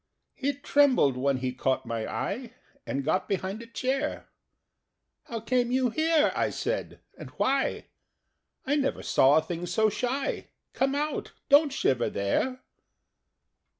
He trembled when he caught my eye, And got behind a chair. "How came you here," I said, "and why? I never saw a thing so shy. Come out! Don't shiver there!"